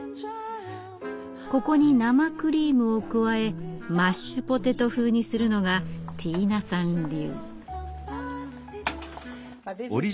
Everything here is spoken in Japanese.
ここに生クリームを加えマッシュポテト風にするのがティーナさん流。